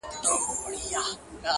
کومه ورځ چي تاته زه ښېرا کوم.